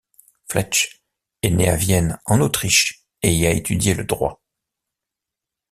Flesch est né à Vienne, en Autriche et y a étudié le droit.